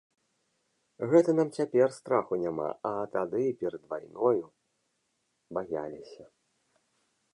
Гэта нам цяпер страху няма, а тады, перад вайною, баяліся.